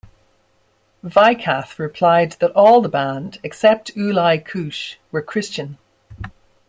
Weikath replied that all the band, except Uli Kusch, were Christian.